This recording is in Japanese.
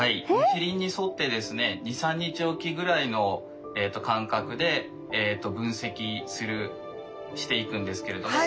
日輪に沿ってですね２３日おきぐらいのかんかくで分析していくんですけれども。